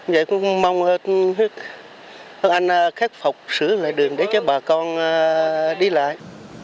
vậy cũng mong công an khắc phục sửa lại đường để cho bà con đi lại